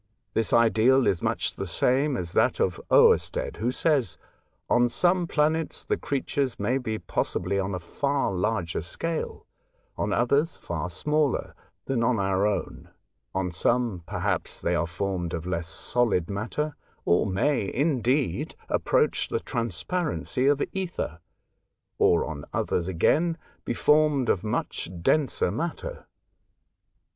This ideal is much the same as that of Oersted, who says :'' On some planets the creatures may be possibly on a far larger scale, on others far smaller, than on our own ; on some, per haps, they are formed of less solid matter, or may, indeed, approach the transparency of ether ; or, on others again, be formed of much denser matter.